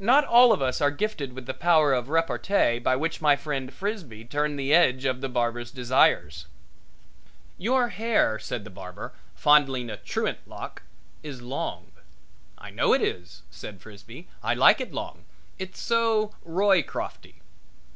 Not all of us are gifted with the power of repartee by which my friend Frisbee turned the edge of the barber's desires. "Your hair," said the barber, fondling a truant lock, "is long." "I know it is," said Frisbee. "I like it long. It's so Roycrofty."